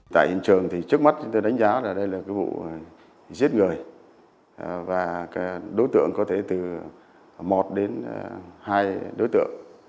tại hiện trường thì trước mắt chúng tôi đánh giá là đây là cái vụ giết người và đối tượng có thể từ một đến hai đối tượng